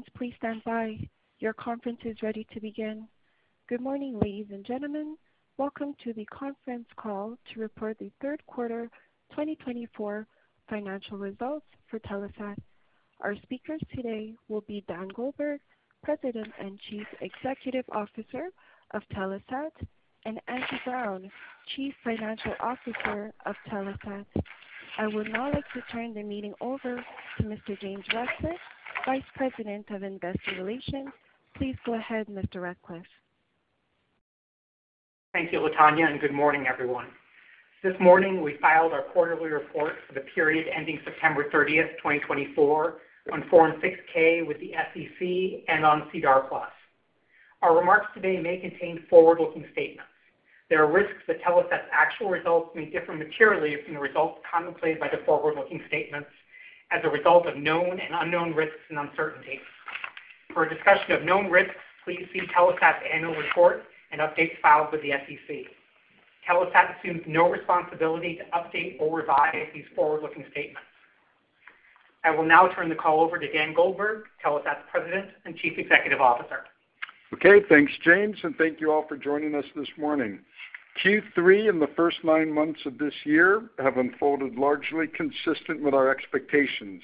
All participants, please stand by. Your conference is ready to begin. Good morning, ladies and gentlemen. Welcome to the conference call to report the third quarter 2024 financial results for Telesat. Our speakers today will be Dan Goldberg, President and Chief Executive Officer of Telesat, and Andrew Brown, Chief Financial Officer of Telesat. I would now like to turn the meeting over to Mr. James Ratcliffe, Vice President of Investor Relations. Please go ahead, Mr. Ratcliffe. Thank you, Otanya, and good morning, everyone. This morning, we filed our quarterly report for the period ending September 30, 2024, on Form 6-K with the SEC and on SEDAR+. Our remarks today may contain forward-looking statements. There are risks that Telesat's actual results may differ materially from the results contemplated by the forward-looking statements as a result of known and unknown risks and uncertainties. For a discussion of known risks, please see Telesat's annual report and updates filed with the SEC. Telesat assumes no responsibility to update or revise these forward-looking statements. I will now turn the call over to Dan Goldberg, Telesat's President and Chief Executive Officer. Okay, thanks, James, and thank you all for joining us this morning. Q3 and the first nine months of this year have unfolded largely consistent with our expectations,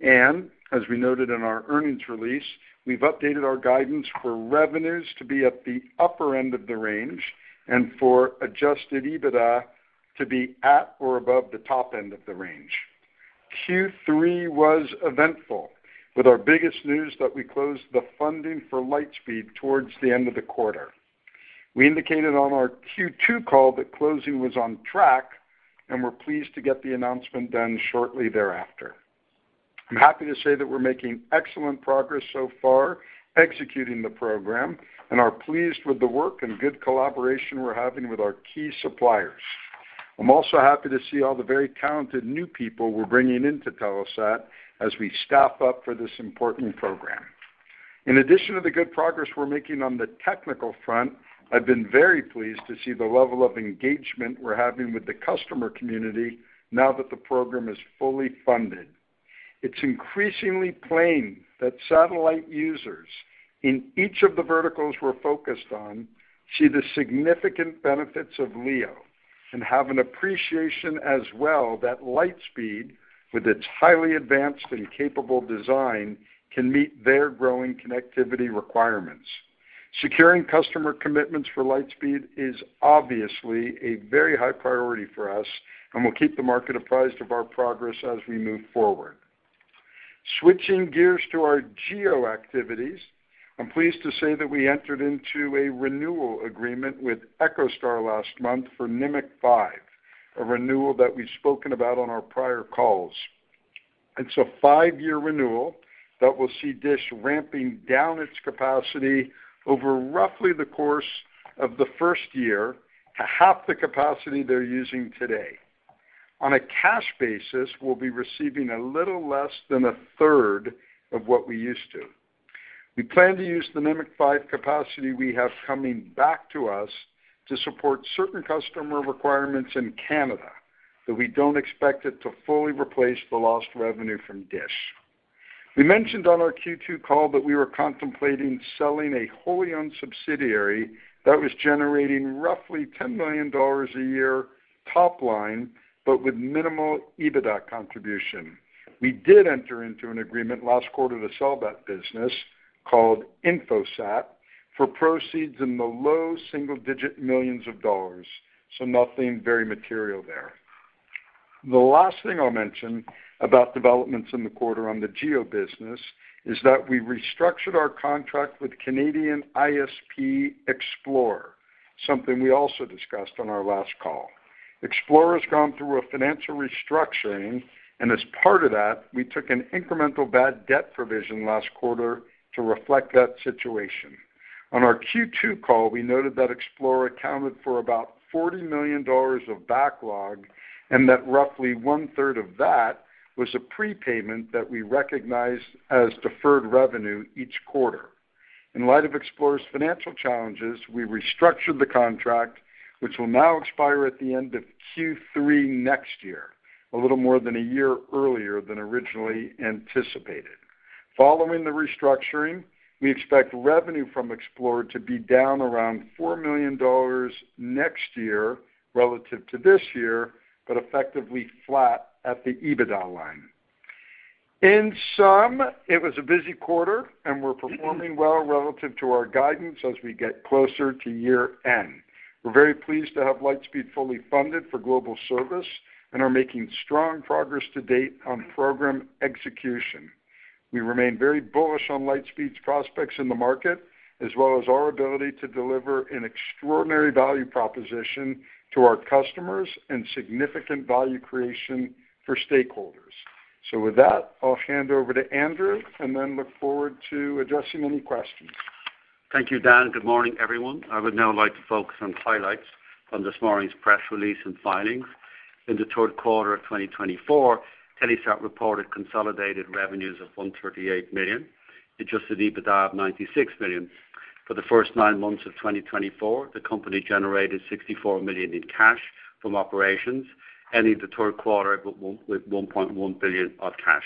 and as we noted in our earnings release, we've updated our guidance for revenues to be at the upper end of the range and for Adjusted EBITDA to be at or above the top end of the range. Q3 was eventful, with our biggest news that we closed the funding for Lightspeed towards the end of the quarter. We indicated on our Q2 call that closing was on track and were pleased to get the announcement done shortly thereafter. I'm happy to say that we're making excellent progress so far executing the program and are pleased with the work and good collaboration we're having with our key suppliers. I'm also happy to see all the very talented new people we're bringing into Telesat as we staff up for this important program. In addition to the good progress we're making on the technical front, I've been very pleased to see the level of engagement we're having with the customer community now that the program is fully funded. It's increasingly plain that satellite users in each of the verticals we're focused on see the significant benefits of LEO and have an appreciation as well that Lightspeed, with its highly advanced and capable design, can meet their growing connectivity requirements. Securing customer commitments for Lightspeed is obviously a very high priority for us and will keep the market apprised of our progress as we move forward. Switching gears to our GEO activities, I'm pleased to say that we entered into a renewal agreement with EchoStar last month for Nimiq 5, a renewal that we've spoken about on our prior calls. It's a five-year renewal that will see DISH ramping down its capacity over roughly the course of the first year to half the capacity they're using today. On a cash basis, we'll be receiving a little less than a third of what we used to. We plan to use the Nimiq 5 capacity we have coming back to us to support certain customer requirements in Canada, though we don't expect it to fully replace the lost revenue from DISH. We mentioned on our Q2 call that we were contemplating selling a wholly owned subsidiary that was generating roughly 10 million dollars a year top line, but with minimal EBITDA contribution. We did enter into an agreement last quarter to sell that business called Infosat for proceeds in the low single-digit millions of dollars, so nothing very material there. The last thing I'll mention about developments in the quarter on the GEO business is that we restructured our contract with Canadian ISP Xplore, something we also discussed on our last call. Xplore has gone through a financial restructuring, and as part of that, we took an incremental bad debt provision last quarter to reflect that situation. On our Q2 call, we noted that Xplore accounted for about 40 million dollars of backlog and that roughly one-third of that was a prepayment that we recognized as deferred revenue each quarter. In light of Xplore's financial challenges, we restructured the contract, which will now expire at the end of Q3 next year, a little more than a year earlier than originally anticipated. Following the restructuring, we expect revenue from Xplore to be down around 4 million dollars next year relative to this year, but effectively flat at the EBITDA line. In sum, it was a busy quarter, and we're performing well relative to our guidance as we get closer to year end. We're very pleased to have Lightspeed fully funded for global service and are making strong progress to date on program execution. We remain very bullish on Lightspeed's prospects in the market, as well as our ability to deliver an extraordinary value proposition to our customers and significant value creation for stakeholders. So with that, I'll hand over to Andrew and then look forward to addressing any questions. Thank you, Dan. Good morning, everyone. I would now like to focus on highlights from this morning's press release and filings. In the third quarter of 2024, Telesat reported consolidated revenues of 138 million, adjusted EBITDA of 96 million. For the first nine months of 2024, the company generated 64 million in cash from operations, ending the third quarter with 1.1 billion of cash.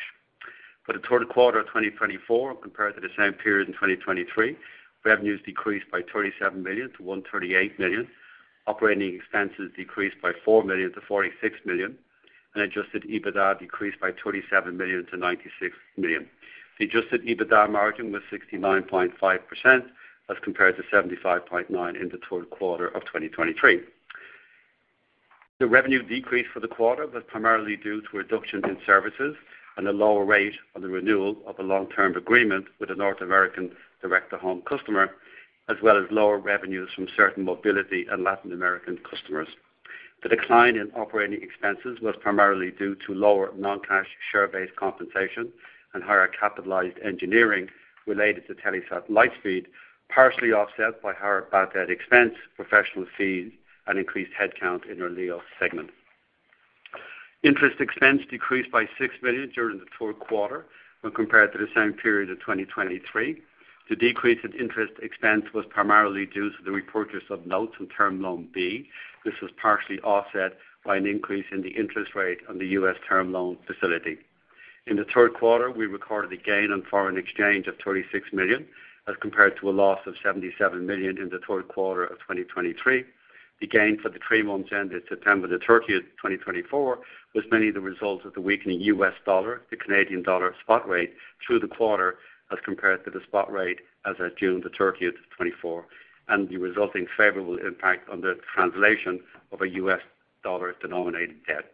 For the third quarter of 2024, compared to the same period in 2023, revenues decreased by 37 million to 138 million. Operating expenses decreased by 4 million to 46 million, and adjusted EBITDA decreased by 37 million to 96 million. The adjusted EBITDA margin was 69.5% as compared to 75.9% in the third quarter of 2023. The revenue decrease for the quarter was primarily due to reductions in services and a lower rate on the renewal of a long-term agreement with a North American direct-to-home customer, as well as lower revenues from certain mobility and Latin American customers. The decline in operating expenses was primarily due to lower non-cash share-based compensation and higher capitalized engineering related to Telesat Lightspeed, partially offset by higher back-end expense, professional fees, and increased headcount in our LEO segment. Interest expense decreased by 6 million during the third quarter when compared to the same period of 2023. The decrease in interest expense was primarily due to the repayment of notes on Term Loan B. This was partially offset by an increase in the interest rate on the U.S. Term Loan facility. In the third quarter, we recorded a gain on foreign exchange of 36 million as compared to a loss of 77 million in the third quarter of 2023. The gain for the three months ended September 30, 2024, was mainly the result of the weakening U.S. dollar to Canadian dollar spot rate through the quarter as compared to the spot rate as of June 30, 2024, and the resulting favorable impact on the translation of our U.S. dollar denominated debt.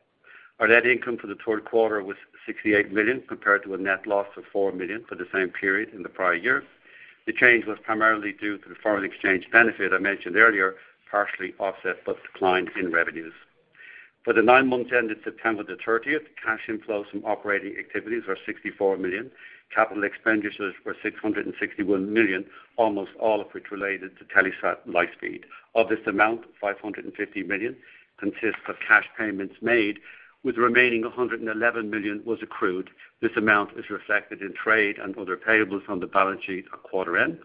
Our net income for the third quarter was 68 million compared to a net loss of 4 million for the same period in the prior year. The change was primarily due to the foreign exchange benefit I mentioned earlier, partially offset by a decline in revenues. For the nine months ended September 30, cash inflows from operating activities were 64 million. Capital expenditures were 661 million, almost all of which related to Telesat Lightspeed. Of this amount, 550 million consists of cash payments made, with the remaining 111 million accrued. This amount is reflected in trade and other payables on the balance sheet at quarter end.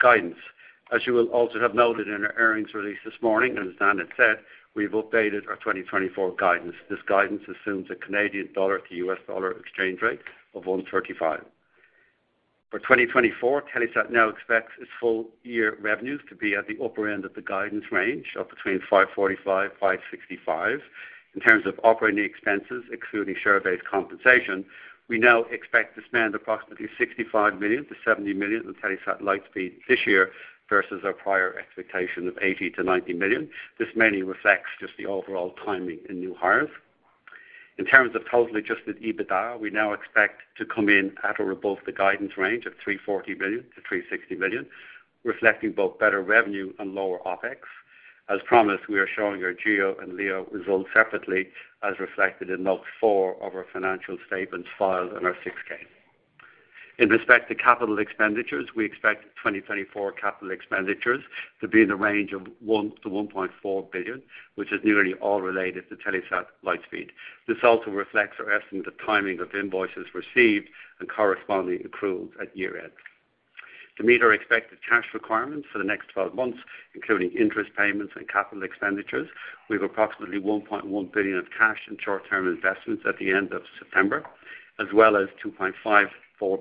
Guidance, as you will also have noted in our earnings release this morning and as Dan had said, we've updated our 2024 guidance. This guidance assumes a Canadian dollar to U.S. dollar exchange rate of 1.35. For 2024, Telesat now expects its full-year revenues to be at the upper end of the guidance range of between 545 and 565. In terms of operating expenses, excluding share-based compensation, we now expect to spend approximately 65 million-70 million on Telesat Lightspeed this year versus our prior expectation of 80 million-90 million. This mainly reflects just the overall timing and new hires. In terms of total adjusted EBITDA, we now expect to come in at or above the guidance range of 340 million-360 million, reflecting both better revenue and lower OpEx. As promised, we are showing our GEO and LEO results separately, as reflected in Note 4 of our financial statements filed in our 6-K. In respect to capital expenditures, we expect 2024 capital expenditures to be in the range of 1 billion-1.4 billion, which is nearly all related to Telesat Lightspeed. This also reflects our estimate of timing of invoices received and corresponding accruals at year end. To meet our expected cash requirements for the next 12 months, including interest payments and capital expenditures, we have approximately 1.1 billion of cash and short-term investments at the end of September, as well as 2.54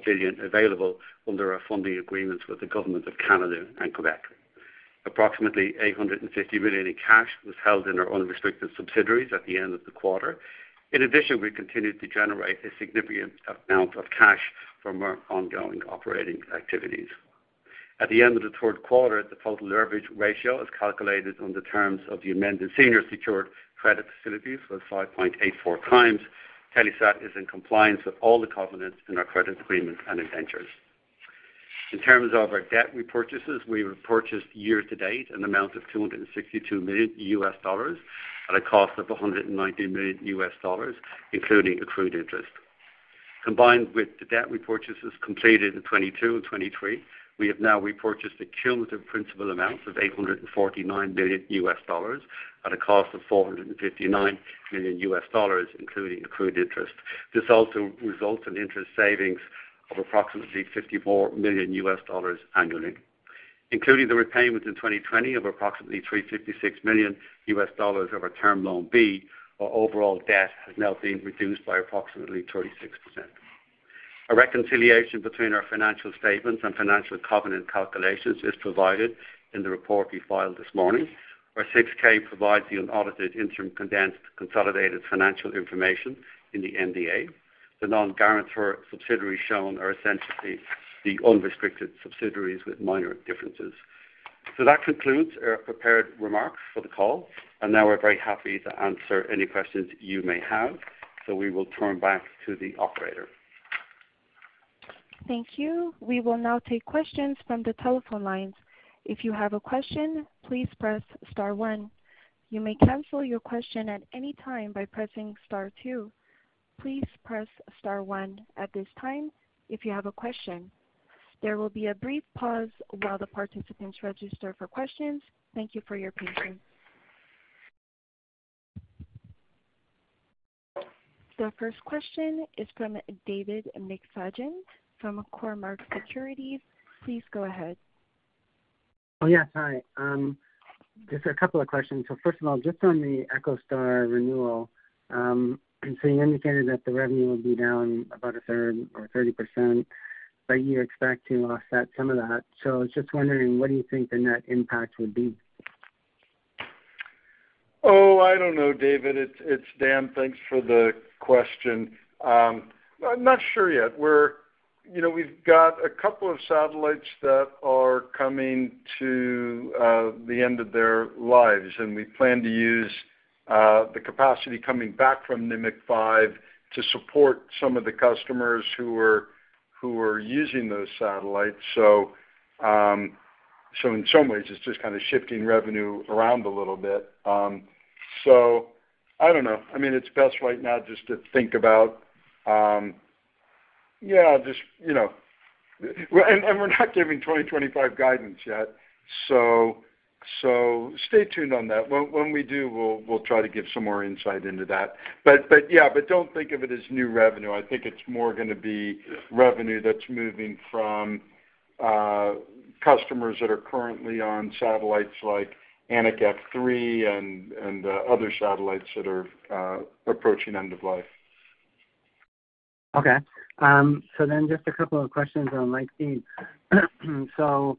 billion available under our funding agreements with the Government of Canada and Quebec. Approximately 850 million in cash was held in our unrestricted subsidiaries at the end of the quarter. In addition, we continued to generate a significant amount of cash from our ongoing operating activities. At the end of the third quarter, the total leverage ratio is calculated on the terms of the amended senior secured credit facilities with 5.84 times. Telesat is in compliance with all the covenants in our credit agreements and indentures. In terms of our debt repurchases, we repurchased year-to-date an amount of $262 million at a cost of $190 million, including accrued interest. Combined with the debt repurchases completed in 2022 and 2023, we have now repurchased a cumulative principal amount of $849 million at a cost of $459 million, including accrued interest. This also results in interest savings of approximately $54 million annually. Including the repayments in 2020 of approximately $356 million of our Term Loan B, our overall debt has now been reduced by approximately 36%. A reconciliation between our financial statements and financial covenant calculations is provided in the report we filed this morning. Our 6-K provides the unaudited interim condensed consolidated financial information in the MD&A. The non-guarantor subsidiaries shown are essentially the unrestricted subsidiaries with minor differences. So that concludes our prepared remarks for the call, and now we're very happy to answer any questions you may have, so we will turn back to the operator. Thank you. We will now take questions from the telephone lines. If you have a question, please press star one. You may cancel your question at any time by pressing star two. Please press star one at this time if you have a question. There will be a brief pause while the participants register for questions. Thank you for your patience. The first question is from David McFadgen from Cormark Securities. Please go ahead. Oh, yes. Hi. Just a couple of questions. So first of all, just on the EchoStar renewal, so you indicated that the revenue would be down about a third or 30%, but you expect to offset some of that. So I was just wondering, what do you think the net impact would be? Oh, I don't know, David. It's Dan. Thanks for the question. I'm not sure yet. We've got a couple of satellites that are coming to the end of their lives, and we plan to use the capacity coming back from Nimiq 5 to support some of the customers who are using those satellites. So in some ways, it's just kind of shifting revenue around a little bit. So I don't know. I mean, it's best right now just to think about, yeah, just, you know, and we're not giving 2025 guidance yet. So stay tuned on that. When we do, we'll try to give some more insight into that. But yeah, but don't think of it as new revenue. I think it's more going to be revenue that's moving from customers that are currently on satellites like Anik F3 and other satellites that are approaching end of life. Okay. So then just a couple of questions on Lightspeed. So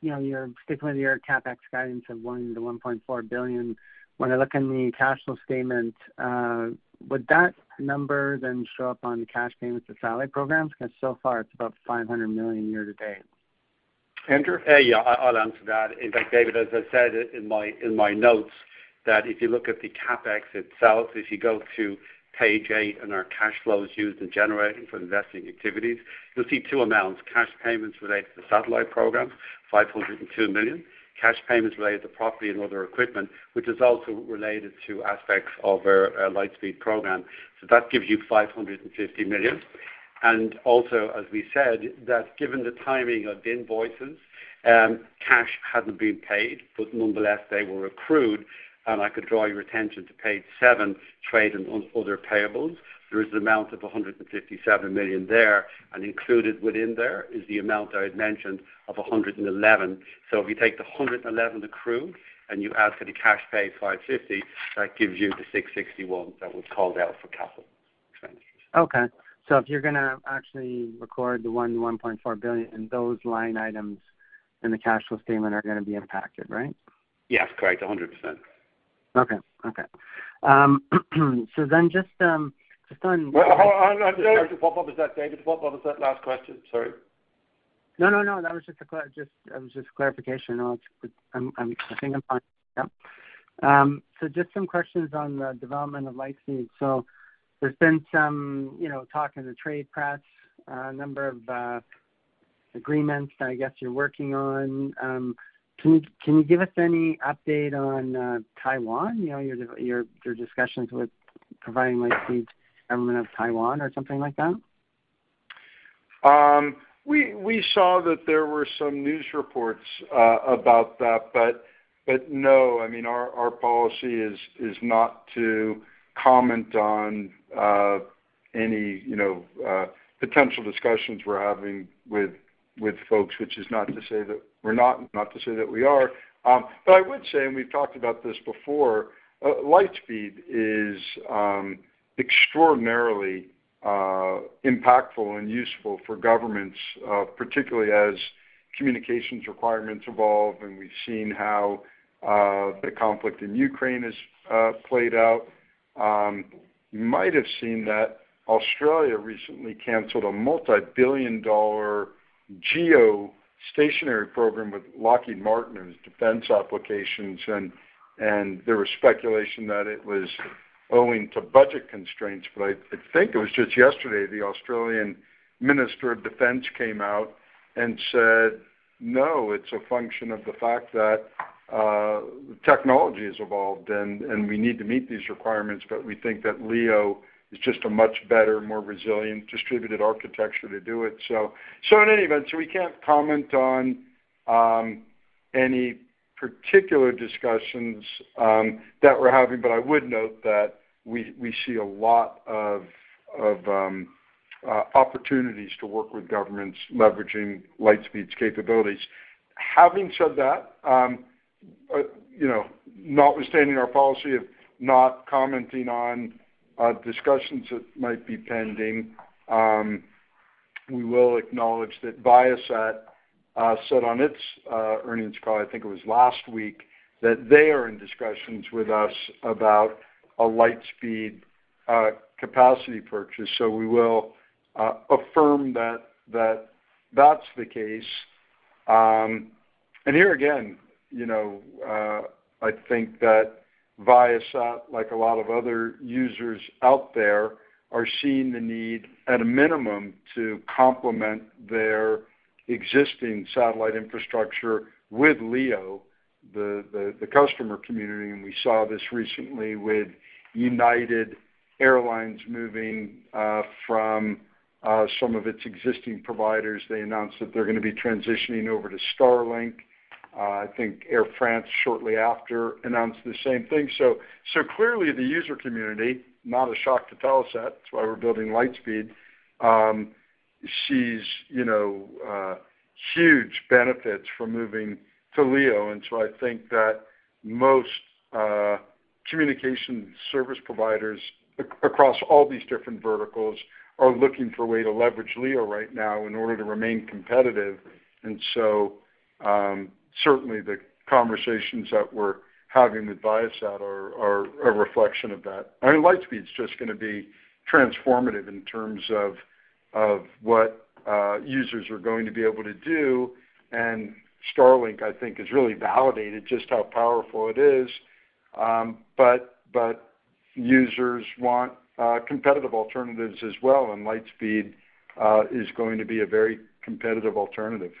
you're sticking with your CapEx guidance of 1-1.4 billion? When I look in the cash flow statement, would that number then show up on cash payments to satellite programs? Because so far, it's about 500 million year-to-date. Andrew? Yeah, I'll answer that. In fact, David, as I said in my notes, that if you look at the CapEx itself, if you go to page eight in our cash flows used in generating for investing activities, you'll see two amounts: cash payments related to the satellite program, 502 million, cash payments related to property and other equipment, which is also related to aspects of our Lightspeed program. So that gives you 550 million. Also, as we said, that given the timing of the invoices, cash hadn't been paid, but nonetheless, they were accrued. I could draw your attention to page seven, trade and other payables. There is an amount of 157 million there, and included within there is the amount I had mentioned of 111. So if you take the 111 accrued and you add to the cash pay 550, that gives you the 661 that was called out for CapEx. Okay. So if you're going to actually record the 1-1.4 billion, those line items in the cash flow statement are going to be impacted, right? Yes, correct. 100%. So then, just on. I'm sorry to pop up. Is that David to pop up? Was that last question? Sorry. No, no, no. That was just a clarification. I think I'm fine. Yeah. So just some questions on the development of Lightspeed. So there's been some talk in the trade press, a number of agreements that I guess you're working on. Can you give us any update on Taiwan, your discussions with providing Lightspeed to the government of Taiwan or something like that? We saw that there were some news reports about that, but no, I mean, our policy is not to comment on any potential discussions we're having with folks, which is not to say that we're not, not to say that we are, but I would say, and we've talked about this before, Lightspeed is extraordinarily impactful and useful for governments, particularly as communications requirements evolve, and we've seen how the conflict in Ukraine has played out. You might have seen that Australia recently canceled a multi-billion-dollar geostationary program with Lockheed Martin and its defense applications, and there was speculation that it was owing to budget constraints. But I think it was just yesterday the Australian Minister of Defense came out and said, "No, it's a function of the fact that technology has evolved and we need to meet these requirements, but we think that LEO is just a much better, more resilient distributed architecture to do it." So in any event, so we can't comment on any particular discussions that we're having, but I would note that we see a lot of opportunities to work with governments leveraging Lightspeed's capabilities. Having said that, notwithstanding our policy of not commenting on discussions that might be pending, we will acknowledge that Viasat said on its earnings call, I think it was last week, that they are in discussions with us about a Lightspeed capacity purchase. So we will affirm that that's the case. Here again, I think that Viasat, like a lot of other users out there, are seeing the need at a minimum to complement their existing satellite infrastructure with LEO, the customer community. We saw this recently with United Airlines moving from some of its existing providers. They announced that they're going to be transitioning over to Starlink. I think Air France shortly after announced the same thing. Clearly, the user community, not a shock to tell us that, that's why we're building Lightspeed, sees huge benefits from moving to LEO. I think that most communication service providers across all these different verticals are looking for a way to leverage LEO right now in order to remain competitive. Certainly the conversations that we're having with Viasat are a reflection of that. I mean, Lightspeed's just going to be transformative in terms of what users are going to be able to do. And Starlink, I think, has really validated just how powerful it is. But users want competitive alternatives as well, and Lightspeed is going to be a very competitive alternative.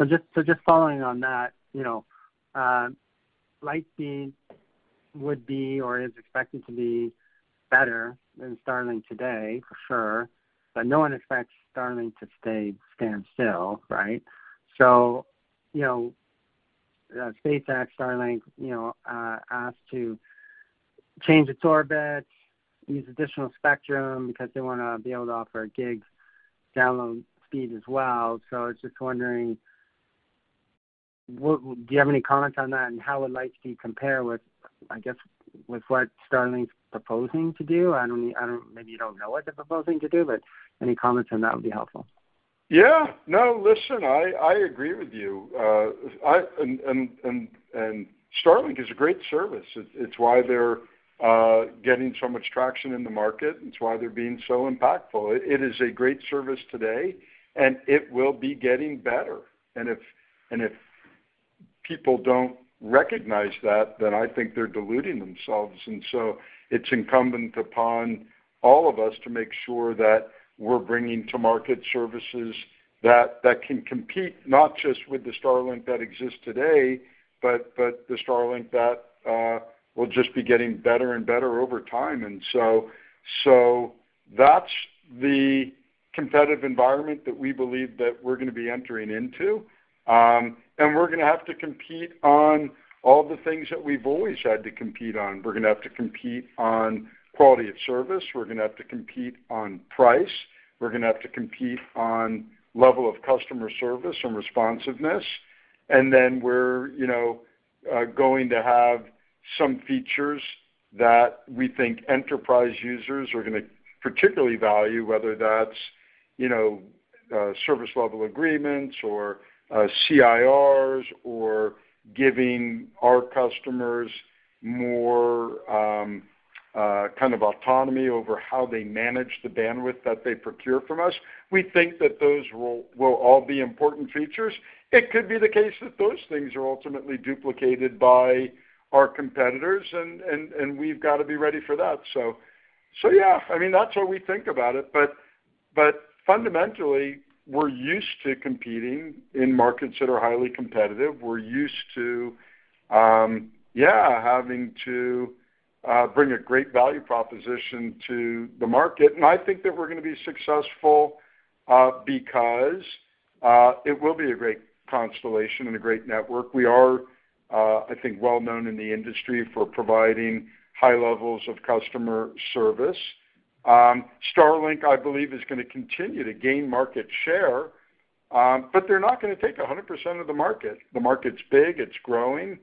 So just following on that, Lightspeed would be or is expected to be better than Starlink today, for sure. But no one expects Starlink to stand still, right? So SpaceX, Starlink asked to change its orbit, use additional spectrum because they want to be able to offer a gig download speed as well. So I was just wondering, do you have any comments on that and how would Lightspeed compare with, I guess, with what Starlink's proposing to do? Maybe you don't know what they're proposing to do, but any comments on that would be helpful. Yeah. No, listen, I agree with you. And Starlink is a great service. It's why they're getting so much traction in the market. It's why they're being so impactful. It is a great service today, and it will be getting better. And if people don't recognize that, then I think they're deluding themselves. And so it's incumbent upon all of us to make sure that we're bringing to market services that can compete not just with the Starlink that exists today, but the Starlink that will just be getting better and better over time. And so that's the competitive environment that we believe that we're going to be entering into. And we're going to have to compete on all the things that we've always had to compete on. We're going to have to compete on quality of service. We're going to have to compete on price. We're going to have to compete on level of customer service and responsiveness. And then we're going to have some features that we think enterprise users are going to particularly value, whether that's service level agreements or CIRs or giving our customers more kind of autonomy over how they manage the bandwidth that they procure from us. We think that those will all be important features. It could be the case that those things are ultimately duplicated by our competitors, and we've got to be ready for that. So yeah, I mean, that's how we think about it. But fundamentally, we're used to competing in markets that are highly competitive. We're used to, yeah, having to bring a great value proposition to the market. And I think that we're going to be successful because it will be a great constellation and a great network. We are, I think, well known in the industry for providing high levels of customer service. Starlink, I believe, is going to continue to gain market share, but they're not going to take 100% of the market. The market's big. It's growing.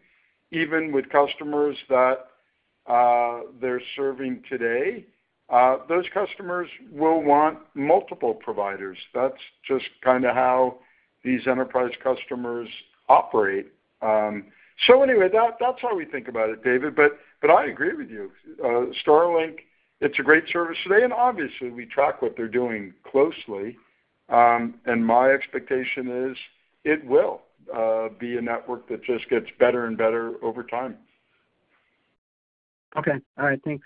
Even with customers that they're serving today, those customers will want multiple providers. That's just kind of how these enterprise customers operate. So anyway, that's how we think about it, David. But I agree with you. Starlink, it's a great service today. And obviously, we track what they're doing closely. And my expectation is it will be a network that just gets better and better over time. Okay. All right. Thanks.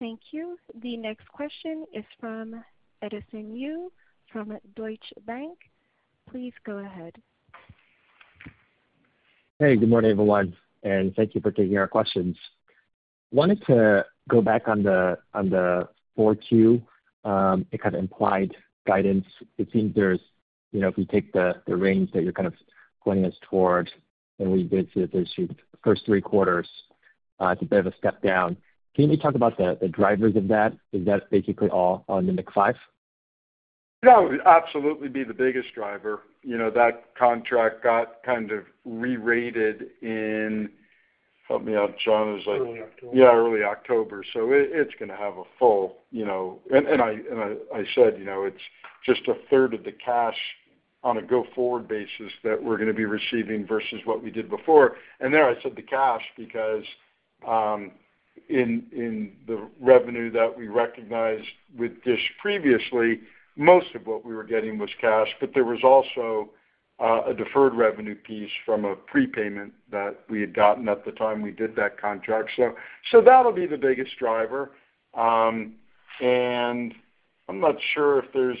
Thank you. The next question is from Edison Yu from Deutsche Bank. Please go ahead. Hey, good morning, everyone. Thank you for taking our questions. I wanted to go back on the 4Q, the kind of implied guidance. It seems there's, if you take the range that you're kind of pointing us towards, and we did see it this year, the first three quarters, it's a bit of a step down. Can you talk about the drivers of that? Is that basically all on Nimiq 5? That would absolutely be the biggest driver. That contract got kind of re-rated in, help me out, John, it was like. Early October. Yeah, early October. So it's going to have a full, and I said, it's just a third of the cash on a go-forward basis that we're going to be receiving versus what we did before. And there I said the cash because in the revenue that we recognized with DISH previously, most of what we were getting was cash, but there was also a deferred revenue piece from a prepayment that we had gotten at the time we did that contract. So that'll be the biggest driver. And I'm not sure if there's,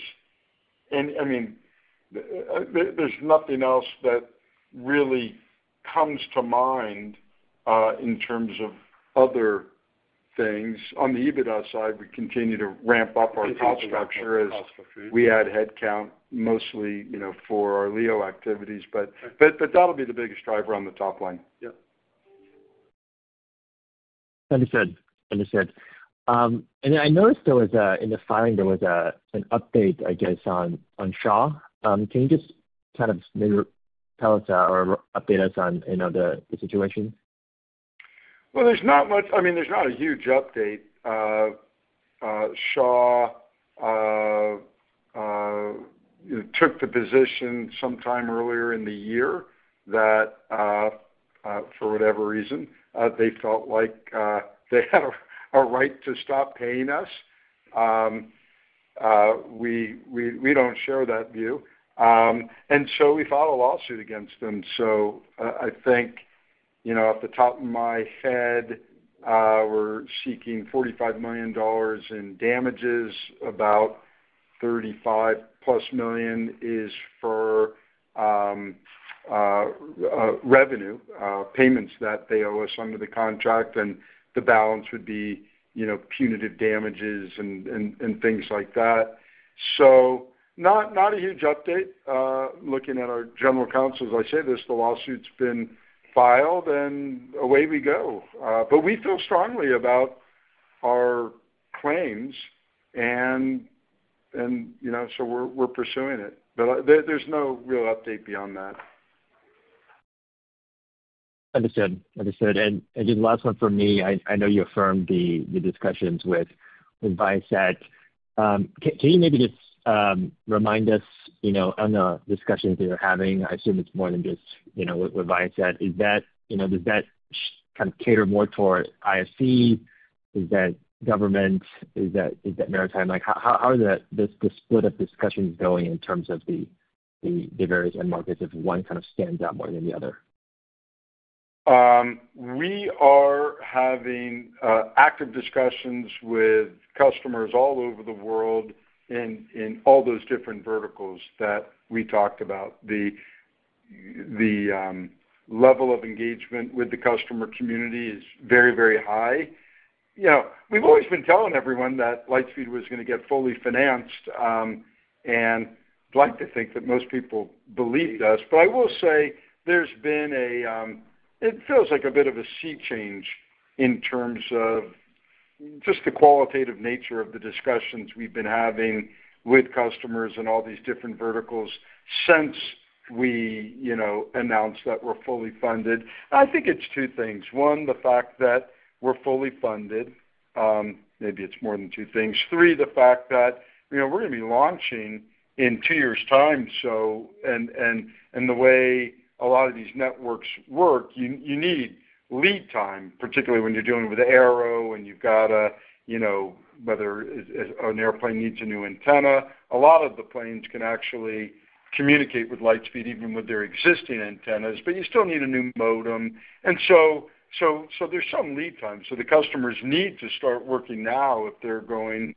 I mean, there's nothing else that really comes to mind in terms of other things. On the EBITDA side, we continue to ramp up our cost structure as we add headcount mostly for our LEO activities, but that'll be the biggest driver on the top line. Yep. Understood. Understood. And I noticed there was, in the filing, an update, I guess, on Shaw. Can you just kind of maybe tell us or update us on the situation? There's not much. I mean, there's not a huge update. Shaw took the position sometime earlier in the year that, for whatever reason, they felt like they had a right to stop paying us. We don't share that view, and so we filed a lawsuit against them, so I think, off the top of my head, we're seeking 45 million dollars in damages. About 35+ million is for revenue payments that they owe us under the contract, and the balance would be punitive damages and things like that, so not a huge update. Looking at our general counsel as I say this, the lawsuit's been filed, and away we go, but we feel strongly about our claims, and so we're pursuing it, but there's no real update beyond that. Understood. Understood. And just the last one for me, I know you affirmed the discussions with Viasat. Can you maybe just remind us on the discussions that you're having? I assume it's more than just with Viasat. Does that kind of cater more toward IFC? Is that government? Is that maritime? How is the split of discussions going in terms of the various end markets if one kind of stands out more than the other? We are having active discussions with customers all over the world in all those different verticals that we talked about. The level of engagement with the customer community is very, very high. We've always been telling everyone that Lightspeed was going to get fully financed, and I'd like to think that most people believed us. But I will say there's been a, it feels like a bit of a sea change in terms of just the qualitative nature of the discussions we've been having with customers and all these different verticals since we announced that we're fully funded. I think it's two things. One, the fact that we're fully funded. Maybe it's more than two things. Three, the fact that we're going to be launching in two years' time. And the way a lot of these networks work, you need lead time, particularly when you're dealing with the aero and you've got to, whether an airplane needs a new antenna. A lot of the planes can actually communicate with Lightspeed even with their existing antennas, but you still need a new modem. And so there's some lead time. So the customers need to start working now if they're going to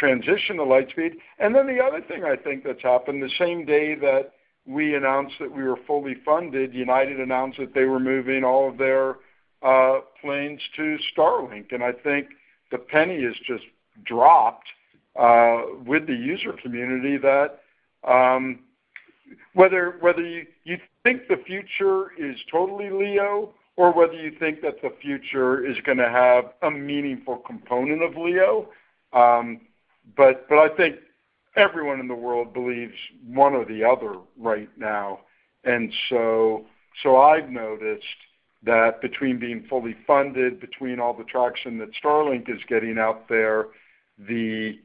transition to Lightspeed. And then the other thing I think that's happened, the same day that we announced that we were fully funded, United announced that they were moving all of their planes to Starlink. I think the penny has just dropped with the user community that whether you think the future is totally LEO or whether you think that the future is going to have a meaningful component of LEO, but I think everyone in the world believes one or the other right now. I've noticed that between being fully funded, between all the traction that Starlink is getting out there, the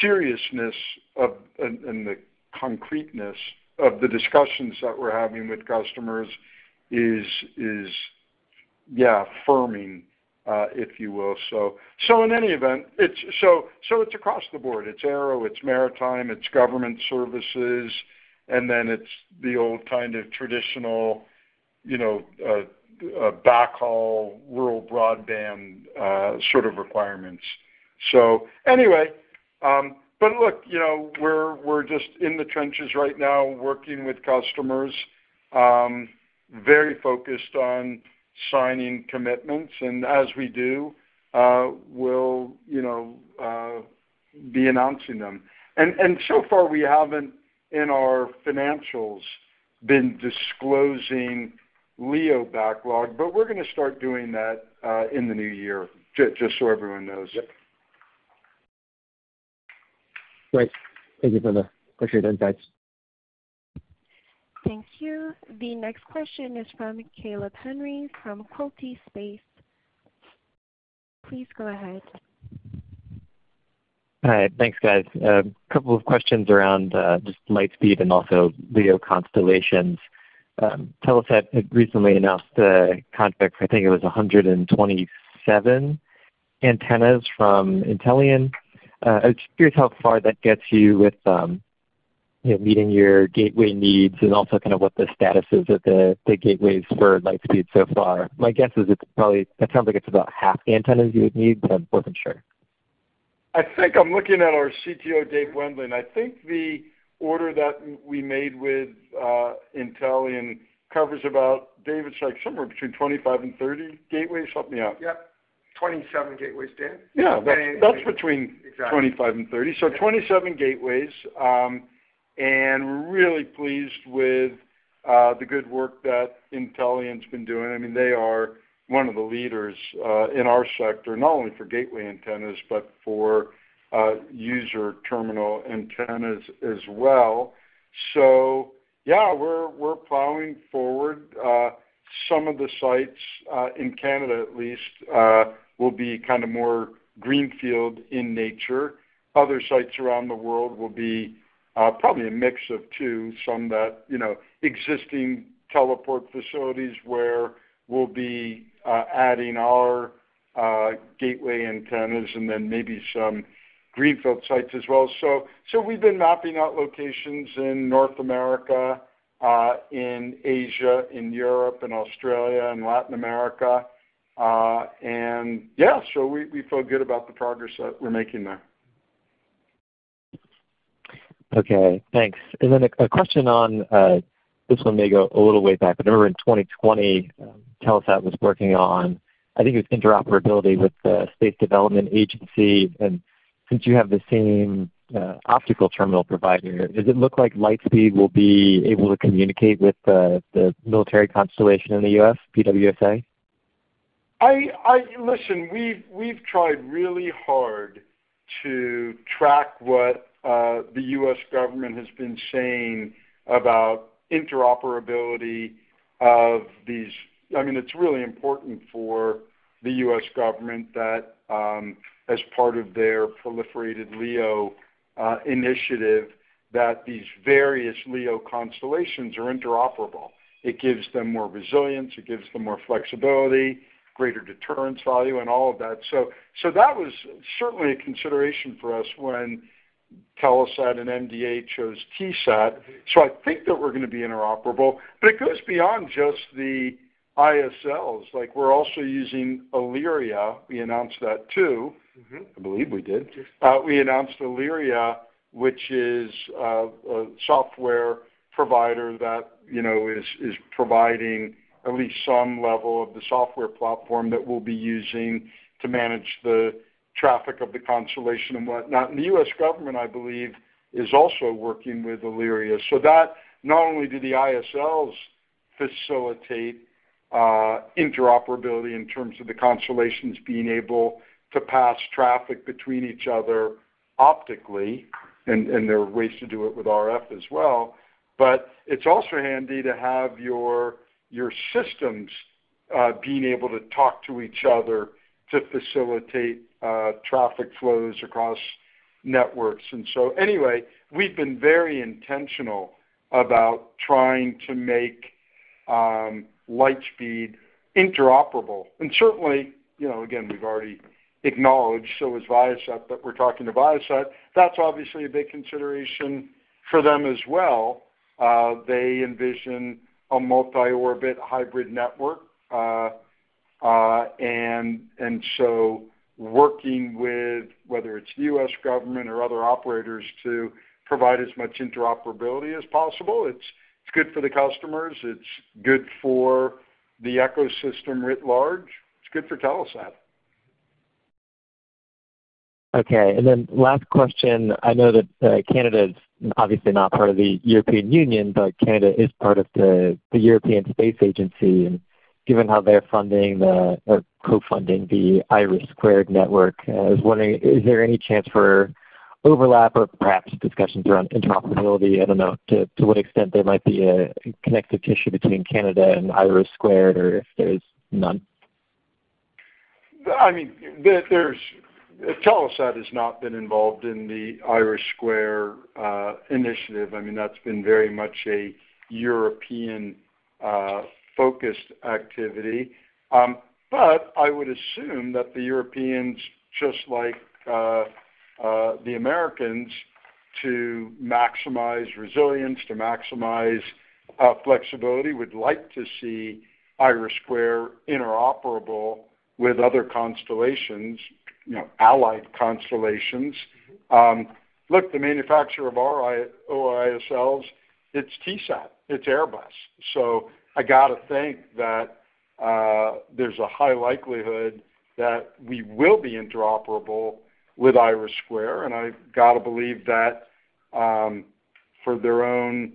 seriousness and the concreteness of the discussions that we're having with customers is, yeah, affirming, if you will. In any event, it's across the board. It's aero, it's maritime, it's government services, and then it's the old kind of traditional backhaul rural broadband sort of requirements. Anyway, look, we're just in the trenches right now working with customers, very focused on signing commitments. As we do, we'll be announcing them. So far, we haven't in our financials been disclosing LEO backlog, but we're going to start doing that in the new year, just so everyone knows. Yep. Great. Thank you for the appreciated insights. Thank you. The next question is from Caleb Henry from Quilty Space. Please go ahead. All right. Thanks, guys. A couple of questions around just Lightspeed and also LEO constellations. Telesat recently announced the contract for, I think it was 127 antennas from Intellian. I was curious how far that gets you with meeting your gateway needs and also kind of what the status is of the gateways for Lightspeed so far. My guess is it's probably, it sounds like it's about half the antennas you would need, but I wasn't sure. I think I'm looking at our CTO, Dave Wendling. I think the order that we made with Intellian covers about, Dave's like, somewhere between 25 and 30 gateways. Help me out. Yep. 27 gateways, Dan. Yeah. That's between 25 and 30. So 27 gateways. And we're really pleased with the good work that Intellian's been doing. I mean, they are one of the leaders in our sector, not only for gateway antennas, but for user terminal antennas as well. So yeah, we're plowing forward. Some of the sites in Canada, at least, will be kind of more greenfield in nature. Other sites around the world will be probably a mix of two, some that existing teleport facilities where we'll be adding our gateway antennas and then maybe some greenfield sites as well. So we've been mapping out locations in North America, in Asia, in Europe, in Australia, in Latin America. And yeah, so we feel good about the progress that we're making there. Okay. Thanks. And then a question on this one may go a little way back, but remember in 2020, Telesat was working on, I think it was interoperability with the Space Development Agency. And since you have the same optical terminal provider, does it look like Lightspeed will be able to communicate with the military constellation in the US, PWSA? Listen, we've tried really hard to track what the U.S. government has been saying about interoperability of these. I mean, it's really important for the U.S. government that, as part of their proliferated LEO initiative, that these various LEO constellations are interoperable. It gives them more resilience. It gives them more flexibility, greater deterrence value, and all of that. So that was certainly a consideration for us when Telesat and MDA chose Tesat. So I think that we're going to be interoperable, but it goes beyond just the ISLs. We're also using Aalyria. We announced that too. I believe we did. We announced Aalyria, which is a software provider that is providing at least some level of the software platform that we'll be using to manage the traffic of the constellation and whatnot, and the U.S. government, I believe, is also working with Aalyria. So not only do the ISLs facilitate interoperability in terms of the constellations being able to pass traffic between each other optically, and there are ways to do it with RF as well, but it's also handy to have your systems being able to talk to each other to facilitate traffic flows across networks. And so anyway, we've been very intentional about trying to make Lightspeed interoperable. And certainly, again, we've already acknowledged, so is Viasat, that we're talking to Viasat. That's obviously a big consideration for them as well. They envision a multi-orbit hybrid network. And so working with whether it's the U.S. government or other operators to provide as much interoperability as possible, it's good for the customers. It's good for the ecosystem writ large. It's good for Telesat. Okay, and then last question. I know that Canada is obviously not part of the European Union, but Canada is part of the European Space Agency. And given how they're funding or co-funding the IRIS² network, I was wondering, is there any chance for overlap or perhaps discussions around interoperability? I don't know to what extent there might be a connective tissue between Canada and IRIS² or if there's none. I mean, Telesat has not been involved in the IRIS² initiative. I mean, that's been very much a European-focused activity. But I would assume that the Europeans, just like the Americans, to maximize resilience, to maximize flexibility, would like to see IRIS² interoperable with other constellations, allied constellations. Look, the manufacturer of our ISLs, it's Tesat. It's Airbus. So I got to think that there's a high likelihood that we will be interoperable with IRIS². And I've got to believe that for their own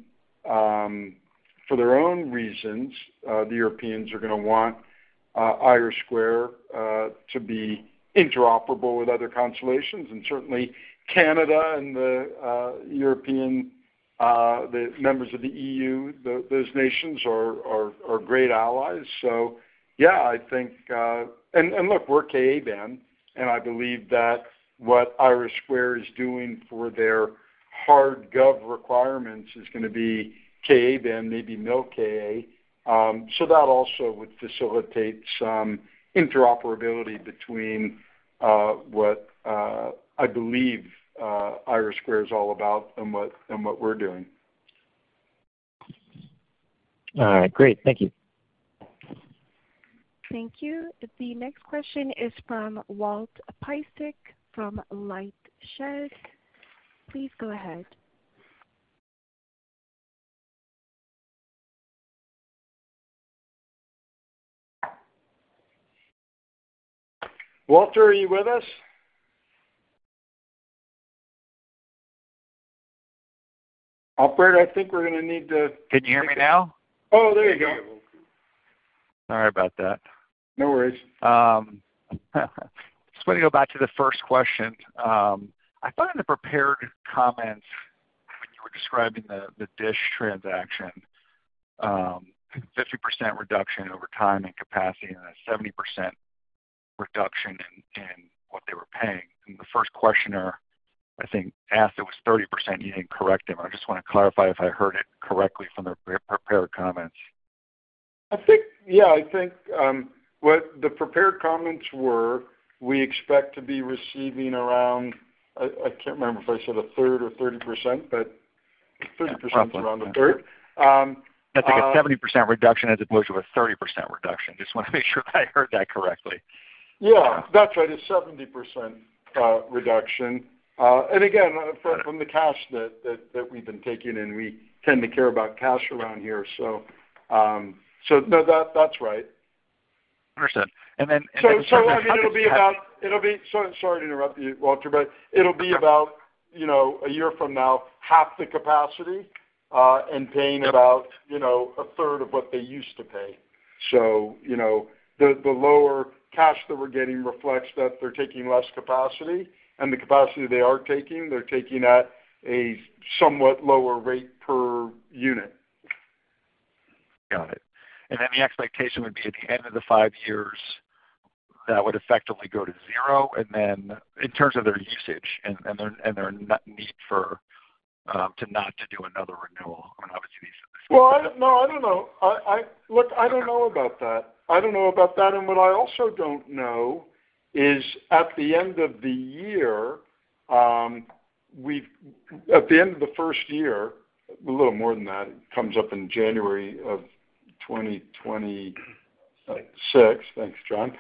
reasons, the Europeans are going to want IRIS² to be interoperable with other constellations. And certainly, Canada and the European members of the EU, those nations are great allies. So yeah, I think, and look, we're Ka-band. And I believe that what IRIS² is doing for their hard gov requirements is going to be Ka-band, maybe no Ka. That also would facilitate some interoperability between what I believe IRIS² is all about and what we're doing. All right. Great. Thank you. Thank you. The next question is from Walter Piecyk from LightShed. Please go ahead. Walter, are you with us? Albert, I think we're going to need to. Can you hear me now? Oh, there you go. Sorry about that. No worries. Just wanted to go back to the first question. I thought in the prepared comments when you were describing the DISH transaction, 50% reduction over time and capacity and a 70% reduction in what they were paying. And the first questioner, I think, asked it was 30%. You didn't correct him. I just want to clarify if I heard it correctly from the prepared comments. Yeah. I think what the prepared comments were, we expect to be receiving around, I can't remember if I said a third or 30%, but 30% is around a third. I think a 70% reduction as opposed to a 30% reduction. Just want to make sure that I heard that correctly. Yeah. That's right. A 70% reduction. And again, from the cash that we've been taking in, we tend to care about cash around here. So no, that's right. Understood, and then. So, I mean, it'll be about, sorry to interrupt you, Walter, but it'll be about a year from now, half the capacity and paying about a third of what they used to pay. So the lower cash that we're getting reflects that they're taking less capacity. And the capacity they are taking, they're taking at a somewhat lower rate per unit. Got it. And then the expectation would be at the end of the five years that would effectively go to zero. And then in terms of their usage and their need to not do another renewal, I mean, obviously. Well, no, I don't know. Look, I don't know about that. I don't know about that. And what I also don't know is, at the end of the year, at the end of the first year, a little more than that, it comes up in January of 2026. Thanks, John.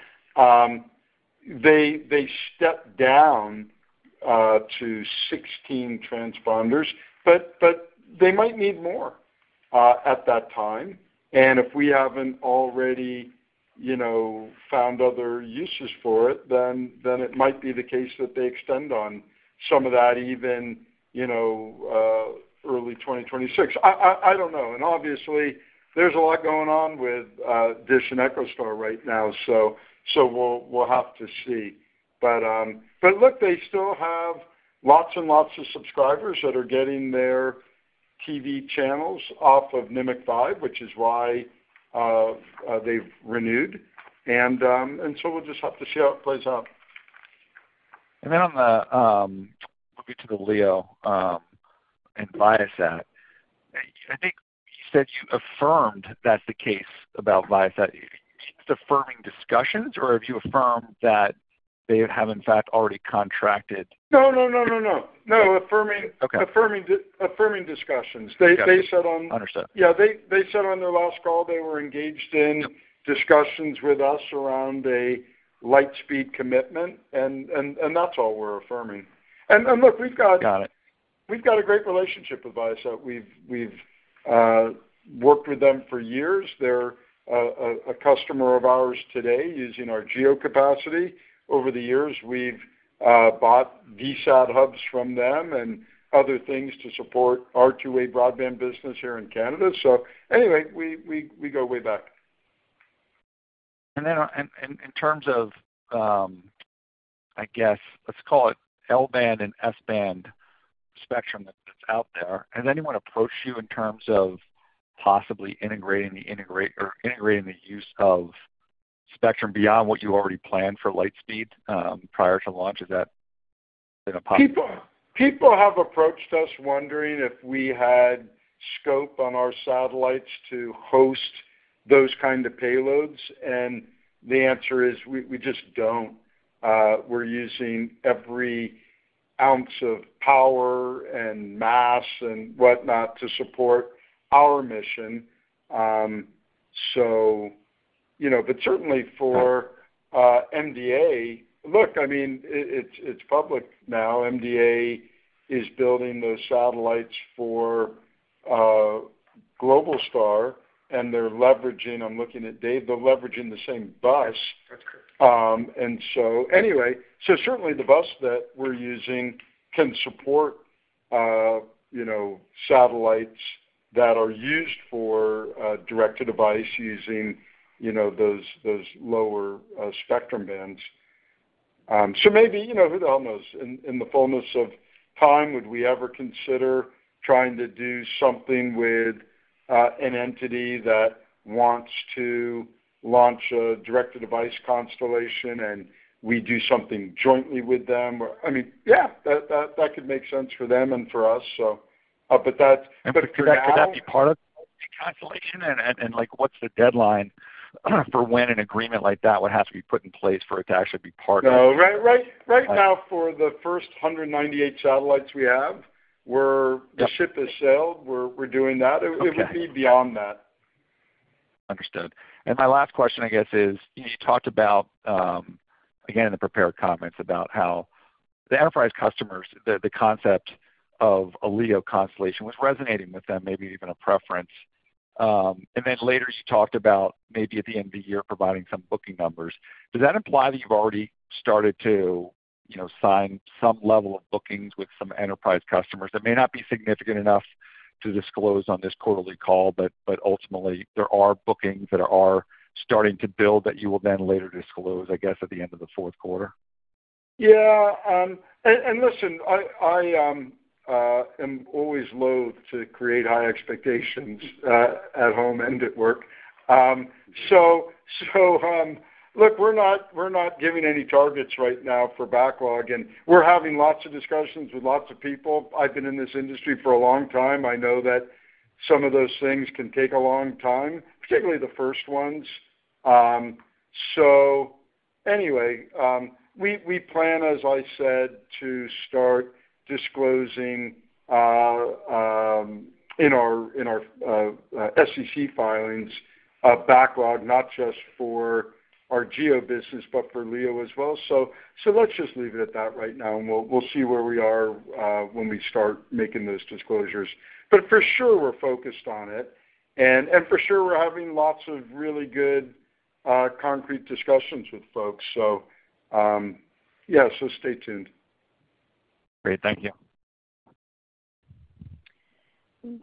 They step down to 16 transponders, but they might need more at that time. And if we haven't already found other uses for it, then it might be the case that they extend on some of that even early 2026. I don't know. And obviously, there's a lot going on with DISH and EchoStar right now. So we'll have to see. But look, they still have lots and lots of subscribers that are getting their TV channels off of Nimiq 5, which is why they've renewed. And so we'll just have to see how it plays out. And then on the move to the LEO and Viasat, I think you said you affirmed that's the case about Viasat. Is it affirming discussions or have you affirmed that they have in fact already contracted? No, no, no, no, no. No, affirming discussions. They said on. Understood. Yeah. They said on their last call, they were engaged in discussions with us around a Lightspeed commitment, and that's all we're affirming. Look, we've got a great relationship with Viasat. We've worked with them for years. They're a customer of ours today using our GEO capacity. Over the years, we've bought VSAT hubs from them and other things to support our two-way broadband business here in Canada, so anyway, we go way back. Then in terms of, I guess, let's call it L-band and S-band spectrum that's out there, has anyone approached you in terms of possibly integrating the use of spectrum beyond what you already planned for Lightspeed prior to launch? Is that been a possibility? People have approached us wondering if we had scope on our satellites to host those kinds of payloads. And the answer is we just don't. We're using every ounce of power and mass and whatnot to support our mission. But certainly for MDA, look, I mean, it's public now. MDA is building those satellites for Globalstar. And they're leveraging, I'm looking at Dave, they're leveraging the same bus. That's correct. And so anyway, so certainly the bus that we're using can support satellites that are used for direct-to-device using those lower spectrum bands. So maybe, who the hell knows, in the fullness of time, would we ever consider trying to do something with an entity that wants to launch a direct-to-device constellation and we do something jointly with them? I mean, yeah, that could make sense for them and for us. But that. And could that be part of the constellation? And what's the deadline for when an agreement like that would have to be put in place for it to actually be part of? No. Right now, for the first 198 satellites we have, the ship has sailed. We're doing that. It would be beyond that. Understood. And my last question, I guess, is you talked about, again, in the prepared comments about how the enterprise customers, the concept of a LEO constellation was resonating with them, maybe even a preference. And then later you talked about maybe at the end of the year providing some booking numbers. Does that imply that you've already started to sign some level of bookings with some enterprise customers? It may not be significant enough to disclose on this quarterly call, but ultimately, there are bookings that are starting to build that you will then later disclose, I guess, at the end of the fourth quarter? Yeah. And listen, I am always loath to create high expectations at home and at work. So look, we're not giving any targets right now for backlog. And we're having lots of discussions with lots of people. I've been in this industry for a long time. I know that some of those things can take a long time, particularly the first ones. So anyway, we plan, as I said, to start disclosing in our SEC filings of backlog, not just for our GEO business, but for LEO as well. So let's just leave it at that right now. And we'll see where we are when we start making those disclosures. But for sure, we're focused on it. And for sure, we're having lots of really good concrete discussions with folks. So yeah, so stay tuned. Great. Thank you.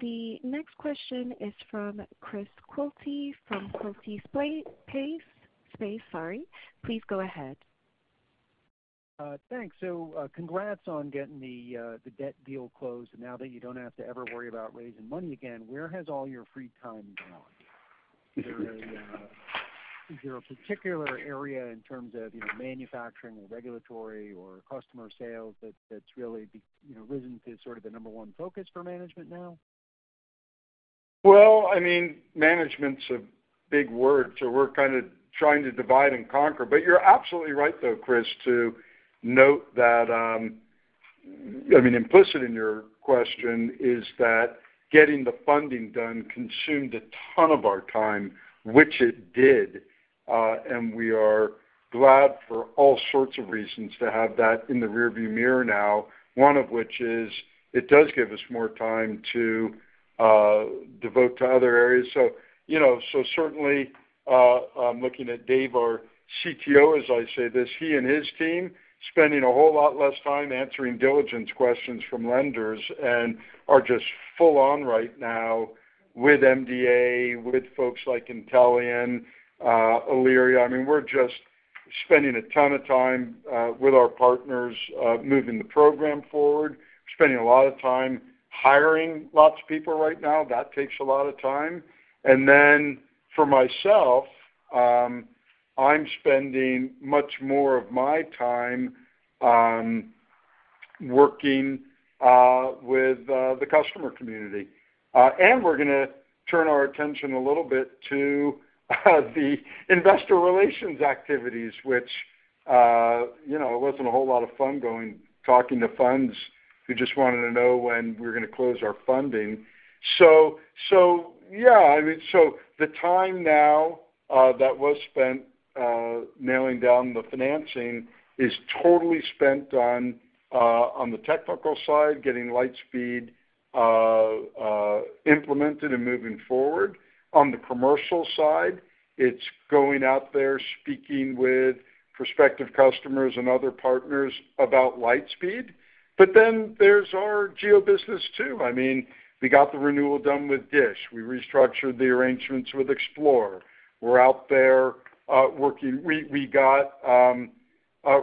The next question is from Chris Quilty from Quilty Space. Sorry. Please go ahead. Thanks. So congrats on getting the debt deal closed. And now that you don't have to ever worry about raising money again, where has all your free time gone? Is there a particular area in terms of manufacturing or regulatory or customer sales that's really risen to sort of the number one focus for management now? Management's a big word. So we're kind of trying to divide and conquer. But you're absolutely right though, Chris, to note that. I mean, implicit in your question is that getting the funding done consumed a ton of our time, which it did. And we are glad for all sorts of reasons to have that in the rearview mirror now, one of which is it does give us more time to devote to other areas. So certainly, I'm looking at Dave, our CTO, as I say this. He and his team spending a whole lot less time answering diligence questions from lenders and are just full on right now with MDA, with folks like Intellian, Aalyria. I mean, we're just spending a ton of time with our partners moving the program forward. We're spending a lot of time hiring lots of people right now. That takes a lot of time, and then for myself, I'm spending much more of my time working with the customer community. We're going to turn our attention a little bit to the investor relations activities, which it wasn't a whole lot of fun talking to funds. We just wanted to know when we were going to close our funding. So yeah, I mean, so the time now that was spent nailing down the financing is totally spent on the technical side, getting Lightspeed implemented and moving forward. On the commercial side, it's going out there, speaking with prospective customers and other partners about Lightspeed. But then there's our GEO business too. I mean, we got the renewal done with DISH. We restructured the arrangements with Xplore. We're out there working. We got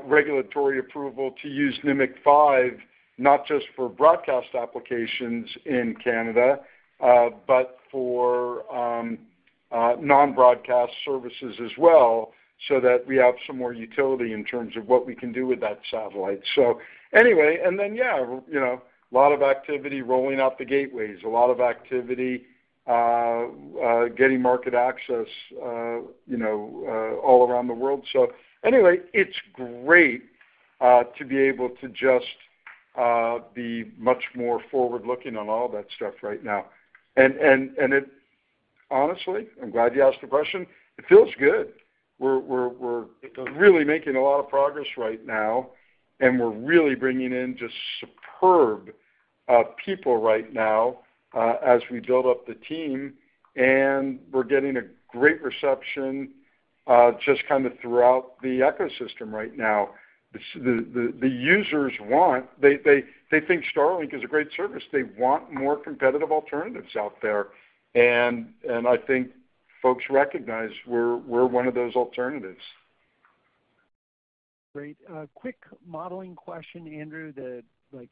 regulatory approval to use Nimiq 5, not just for broadcast applications in Canada, but for non-broadcast services as well so that we have some more utility in terms of what we can do with that satellite. So anyway, and then yeah, a lot of activity rolling out the gateways, a lot of activity getting market access all around the world. So anyway, it's great to be able to just be much more forward-looking on all that stuff right now. And honestly, I'm glad you asked the question. It feels good. We're really making a lot of progress right now. And we're really bringing in just superb people right now as we build up the team. And we're getting a great reception just kind of throughout the ecosystem right now. The users want. They think Starlink is a great service. They want more competitive alternatives out there. I think folks recognize we're one of those alternatives. Great. Quick modeling question, Andrew.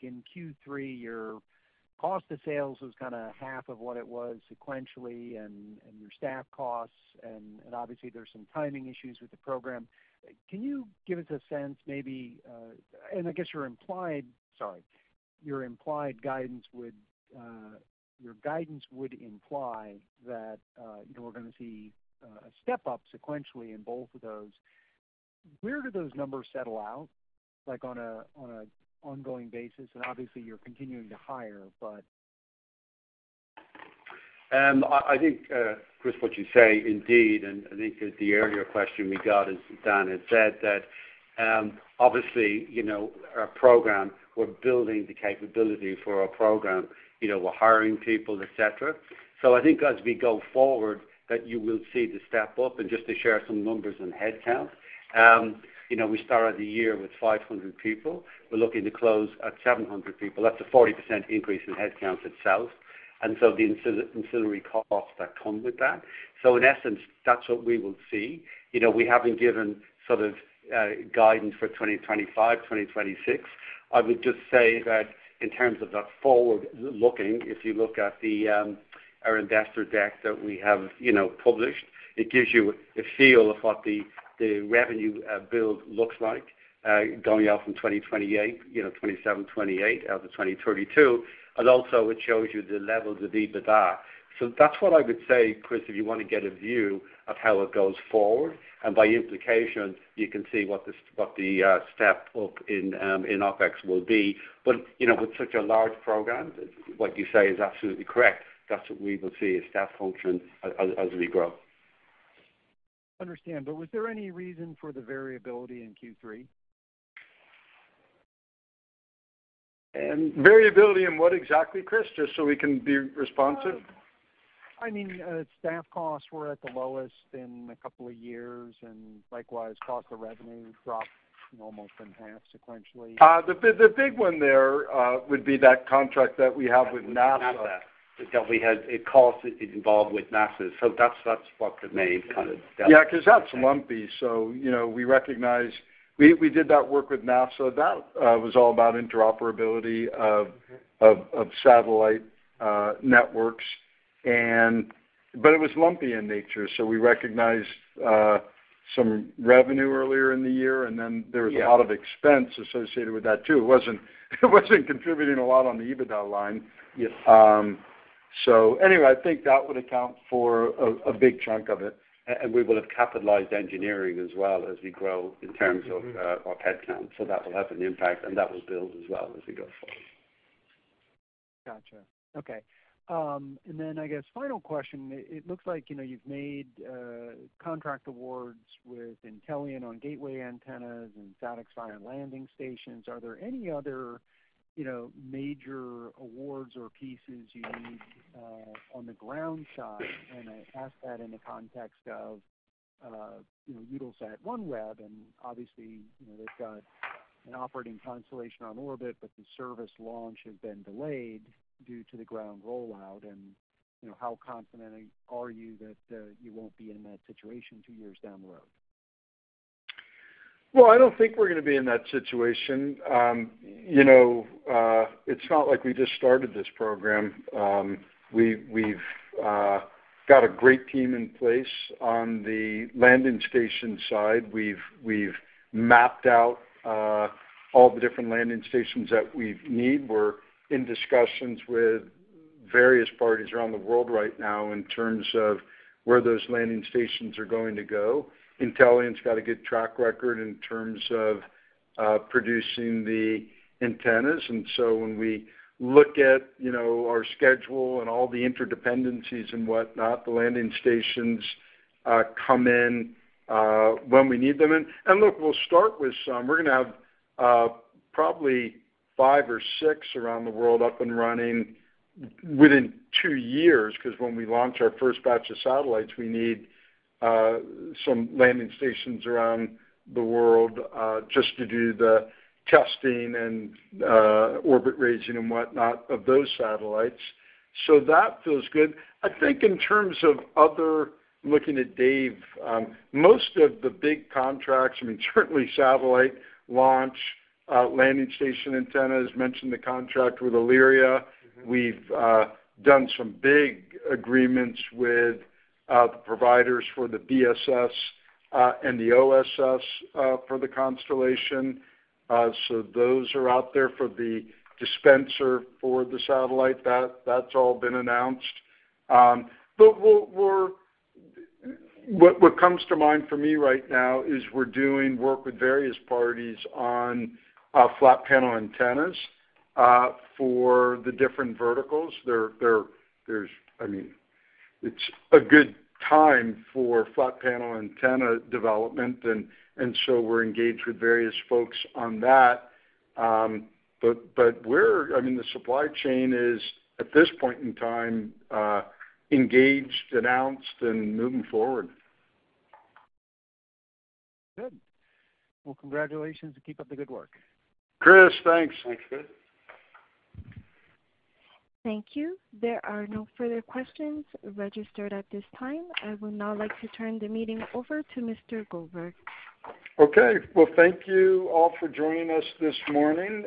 In Q3, your cost of sales was kind of half of what it was sequentially and your staff costs, and obviously there's some timing issues with the program. Can you give us a sense maybe, and I guess your implied - sorry. Your implied guidance would imply that we're going to see a step up sequentially in both of those. Where do those numbers settle out on an ongoing basis, and obviously you're continuing to hire, but. I think, Chris, what you say indeed, and I think the earlier question we got is, Dan, is that obviously our program. We're building the capability for our program. We're hiring people, etc. So I think as we go forward, that you will see the step up. And just to share some numbers on headcount, we started the year with 500 people. We're looking to close at 700 people. That's a 40% increase in headcount itself. And so the ancillary costs that come with that. So in essence, that's what we will see. We haven't given sort of guidance for 2025, 2026. I would just say that in terms of that forward looking, if you look at our investor deck that we have published, it gives you a feel of what the revenue build looks like going out from 2028, 2027, 2028 out to 2032. And also, it shows you the levels of EBITDA. So that's what I would say, Chris, if you want to get a view of how it goes forward. And by implication, you can see what the step up in OpEx will be. But with such a large program, what you say is absolutely correct. That's what we will see a staff function as we grow. Understand. But was there any reason for the variability in Q3? Variability in what exactly, Chris? Just so we can be responsive. I mean, staff costs were at the lowest in a couple of years. And likewise, cost of revenue dropped almost in half sequentially. The big one there would be that contract that we have with NASA. NASA. The cost is involved with NASA. So that's what remained kind of. Yeah. Because that's lumpy. So we recognize we did that work with NASA. That was all about interoperability of satellite networks. But it was lumpy in nature. So we recognized some revenue earlier in the year. And then there was a lot of expense associated with that too. It wasn't contributing a lot on the EBITDA line. So anyway, I think that would account for a big chunk of it. We will have capitalized engineering as well as we grow in terms of headcount. That will have an impact. That will build as well as we go forward. Gotcha. Okay. And then I guess final question. It looks like you've made contract awards with Intellian on gateway antennas and SatixFy landing stations. Are there any other major awards or pieces you need on the ground side? And I ask that in the context of Eutelsat OneWeb. And obviously, they've got an operating constellation on orbit, but the service launch has been delayed due to the ground rollout. And how confident are you that you won't be in that situation two years down the road? I don't think we're going to be in that situation. It's not like we just started this program. We've got a great team in place on the landing station side. We've mapped out all the different landing stations that we need. We're in discussions with various parties around the world right now in terms of where those landing stations are going to go. Intellian's got a good track record in terms of producing the antennas. So when we look at our schedule and all the interdependencies and whatnot, the landing stations come in when we need them. Look, we'll start with some. We're going to have probably five or six around the world up and running within two years because when we launch our first batch of satellites, we need some landing stations around the world just to do the testing and orbit raising and whatnot of those satellites. So that feels good. I think in terms of other looking at Dave, most of the big contracts, I mean, certainly satellite launch, landing station antennas, mentioned the contract with Aalyria. We've done some big agreements with the providers for the BSS and the OSS for the constellation. So those are out there for the dispenser for the satellite. That's all been announced. But what comes to mind for me right now is we're doing work with various parties on flat panel antennas for the different verticals. I mean, it's a good time for flat panel antenna development. And so we're engaged with various folks on that. But I mean, the supply chain is at this point in time engaged, announced, and moving forward. Good. Well, congratulations and keep up the good work. Chris, thanks. Thanks, Chris. Thank you. There are no further questions registered at this time. I would now like to turn the meeting over to Mr. Goldberg. Well, thank you all for joining us this morning.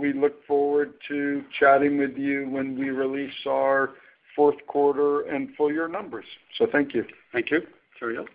We look forward to chatting with you when we release our fourth quarter and full year numbers. Thank you. Thank you. Cheerio.